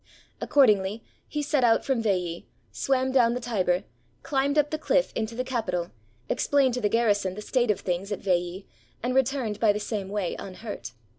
Accordingly, he set out from Veii, swam down the Tiber, climbed up the cliff into the Capitol, explained to the garrison the state of things at Veii, and returned by the same way unhurt.